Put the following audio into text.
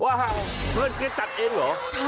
ว้าวเมื่อกี้จัดเองเหรอ